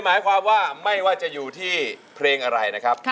หมายความว่าไม่ว่าจะอยู่ที่เพลงอะไรนะครับ